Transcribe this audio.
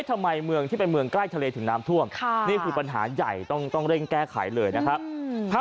ทำไมเมืองที่เป็นเมืองใกล้ทะเลถึงน้ำท่วมนี่คือปัญหาใหญ่ต้องเร่งแก้ไขเลยนะครับ